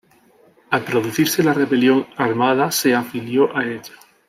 Al producirse la rebelión armada se afilió a ella.